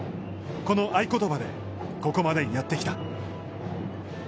この合い言葉で、ここまでやってきた。